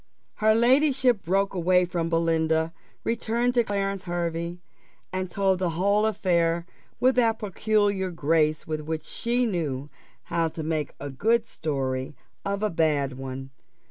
Her ladyship broke away from Belinda, returned to Clarence Hervey, and told the whole affair with that peculiar grace with which she knew how to make a good story of a bad one.